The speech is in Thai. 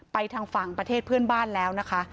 ทางฝั่งประเทศเพื่อนบ้านแล้วนะคะ